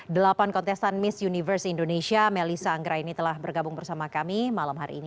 delapan kontestan miss universe indonesia melisa anggra ini telah bergabung bersama kami malam hari ini